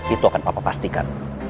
itu akan papa pastikan